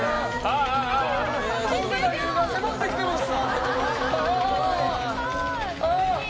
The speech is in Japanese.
コウメ太夫が迫ってきてます！